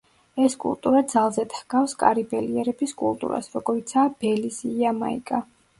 ეს კულტურა ძალზედ ჰგავს კარიბელი ერების კულტურას, როგორიცაა ბელიზი, იამაიკა.